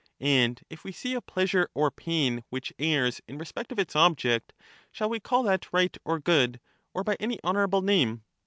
And if we see a pleasure or pain which errs in respect of its object, shall we call that right or good, or by any honourable name